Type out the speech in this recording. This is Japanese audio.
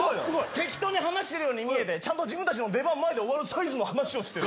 適当に話してるように見えてちゃんと自分達の出番前で終わるサイズの話をしてる！